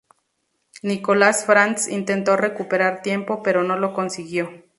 Nicolas Frantz intentó recuperar tiempo, pero no lo consiguió.